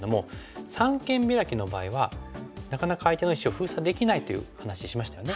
三間ビラキの場合はなかなか相手の石を封鎖できないという話しましたよね。